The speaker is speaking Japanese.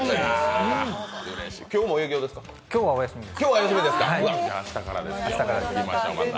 今日はお休みです。